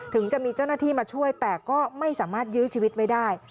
ถึงจะมีเจ้าหน้าที่มาช่วยแต่ก็ไม่สามารถยื้อชีวิตไว้ได้